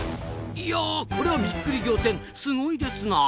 いやこりゃびっくり仰天すごいですなあ！